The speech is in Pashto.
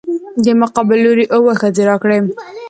دې مقابل لورى اووه ښځې راکړي.